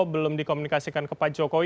belum dikomunikasikan ke pak jokowi